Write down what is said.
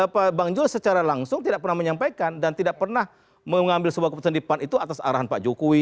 pak bang jul secara langsung tidak pernah menyampaikan dan tidak pernah mengambil sebuah keputusan di pan itu atas arahan pak jokowi